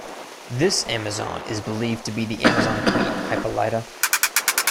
This Amazon is believed to be the Amazon queen Hippolyta.